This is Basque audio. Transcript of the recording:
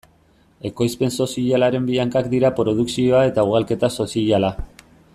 Ekoizpen sozialaren bi hankak dira produkzioa eta ugalketa soziala.